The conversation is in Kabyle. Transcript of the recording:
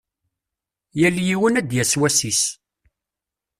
Yal yiwen ad d-yas wass-is.